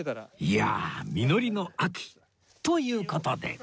いや実りの秋。という事で